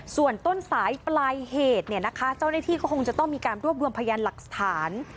ส่วนต้นสายปลายเหตุเนี่ยนะคะเจ้าหน้าที่ก็คงจะต้องมีการรวบรวมพยานหลักฐาน